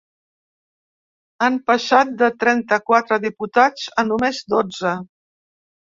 Han passat de trenta-quatre diputats a només dotze.